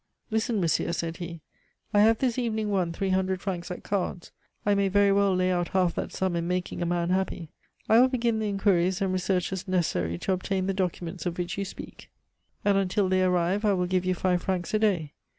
"Listen, monsieur," said he; "I have this evening won three hundred francs at cards. I may very well lay out half that sum in making a man happy. I will begin the inquiries and researches necessary to obtain the documents of which you speak, and until they arrive I will give you five francs a day.